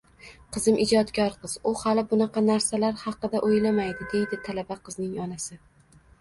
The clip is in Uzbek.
Qizim ijodkor qiz, u hali bunaqa narsalar haqida o‘ylamaydi, – deydi talaba qizning onasi